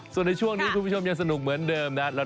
ส่วนในช่วงนี้คุณผู้ชมยังสนุกเหมือนเดิมนะ